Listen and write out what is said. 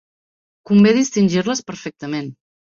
Convé distingir-les perfectament.